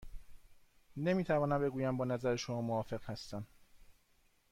نمی توانم بگویم با نظر شما موافق هستم.